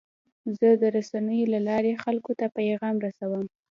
زه د رسنیو له لارې خلکو ته پیغام رسوم.